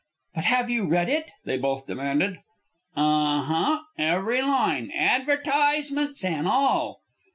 "But have you read it?" they both demanded. "Unh huh, every line, advertisements an' all."